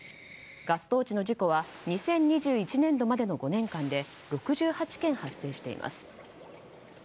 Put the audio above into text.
ガストーチの事故は２０２１年度までの５年間で６８件発生しています。